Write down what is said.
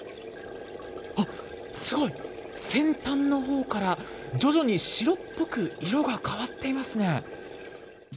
あっ、すごい、先端のほうから徐々に白っぽく色が変わっていますね。